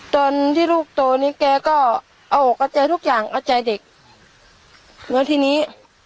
จนที่ลูกโตนี้แกก็เอาออกอาจารย์ทุกอย่างอาจารย์เด็กแล้วทีนี้